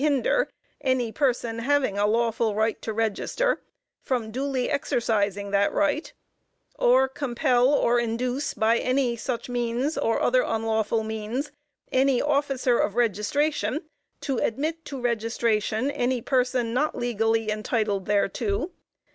hinder any person having a lawful right to register, from duly exercising that right; or compel or induce by any of such means, or other unlawful means, ANY OFFICER OF REGISTRATION to admit to registration any person not legally entitled thereto